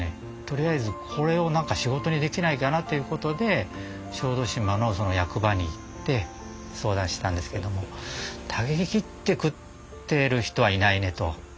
とりあえずこれを何か仕事にできないかなっていう事で小豆島の役場に行って相談したんですけども「竹切って食ってる人はいないね」と。